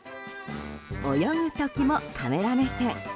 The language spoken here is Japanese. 泳ぐ時もカメラ目線。